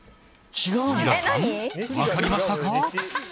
皆さん、分かりましたか？